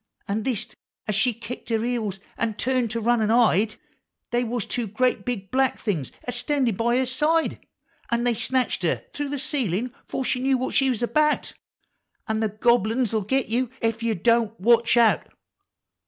An' thist as she kicked her heels, an' turn't to run an' hide, They was two great big Black Things a standin' bv her side, An' they snatched her through the eeilin' 'fore she knowed what she 's about! Au' the Gobble uns '11 git you Kf you Don't Watch Out!